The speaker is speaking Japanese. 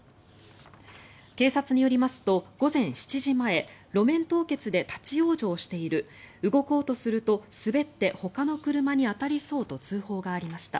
警察によりますと午前７時前路面凍結で立ち往生している動こうとすると滑ってほかの車に当たりそうと通報がありました。